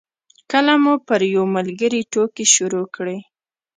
کله مو پر یو ملګري ټوکې شروع کړې.